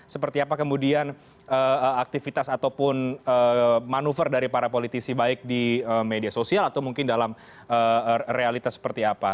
seperti apa kemudian aktivitas ataupun manuver dari para politisi baik di media sosial atau mungkin dalam realitas seperti apa